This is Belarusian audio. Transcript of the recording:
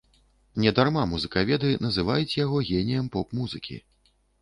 Не дарма музыкаведы называюць яго геніем поп-музыкі.